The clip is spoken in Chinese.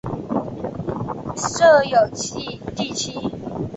辖有第七。